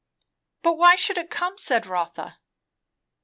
"But why should it come?" said Rotha.